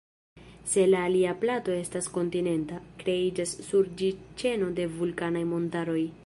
Se la alia plato estas kontinenta, kreiĝas sur ĝi ĉeno de vulkanaj montaroj.